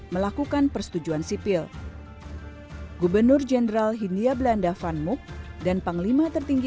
melakukan persetujuan sipil gubernur jenderal hindia belanda van muk dan panglima tertinggi